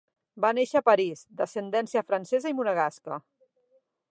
Va néixer a París d'ascendència francesa i monegasca.